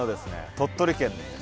鳥取県ですね。